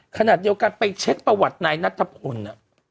ขนาดเดียวกันไปเช็คประวัตินายนัตรผลน่ะ